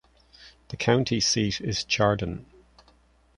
The county seat is Chardon.